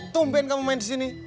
tumpen kamu main disini